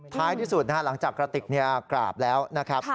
ท้ายที่สุดนะฮะหลังจากกระติกกราบแล้วนะครับ